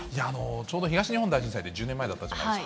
ちょうど東日本大震災って１０年前だったじゃないですか。